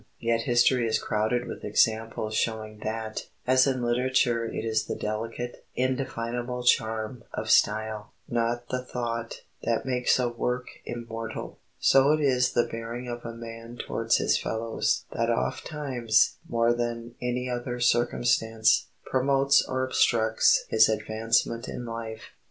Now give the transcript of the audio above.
Yet history is crowded with examples showing that, as in literature it is the delicate, indefinable charm of style, not the thought, that makes a work immortal, so it is the bearing of a man towards his fellows that ofttimes, more than any other circumstance, promotes or obstructs his advancement in life.